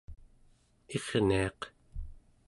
irniaq